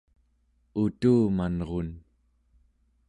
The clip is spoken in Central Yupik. utumarun